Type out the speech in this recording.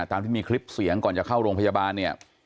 ตามที่มีคลิปเสียงก่อนจะเข้าโรงพยาบาลเนี่ย